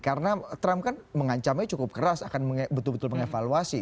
karena trump kan mengancamnya cukup keras akan betul betul mengevaluasi